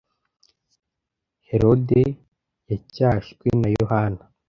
herode yacyashywe na yohana